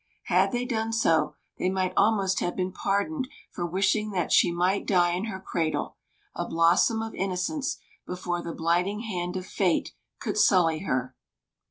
Had they done so, they might almost have been pardoned for wishing that she might die in her cradle, a blossom of innocence, before the blighting hand of Fate could sully her.